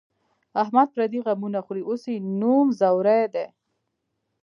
احمد پردي غمونه خوري، اوس یې نوم ځوری دی.